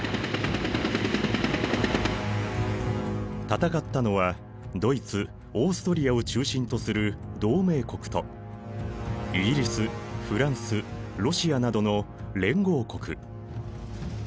戦ったのはドイツオーストリアを中心とする同盟国とイギリスフランスロシアなどの連合国。